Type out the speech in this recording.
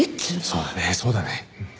そうだねそうだね。